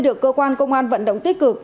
được cơ quan công an vận động tích cực